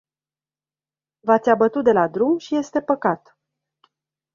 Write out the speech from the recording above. V-ați abătut de la drum și este păcat.